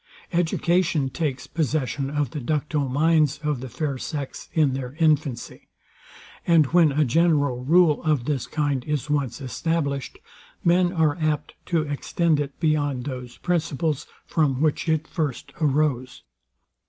Education takes possession of the ductile minds of the fair sex in their infancy. And when a general rule of this kind is once established, men are apt to extend it beyond those principles, from which it first arose.